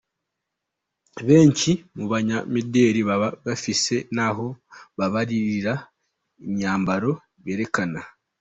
Benshi mu banyamideri baba bafise n'aho babaririra imyambaro berekana.